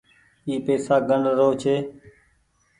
اي پئيسا گڻ رو ڇي۔